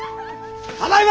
ただいま！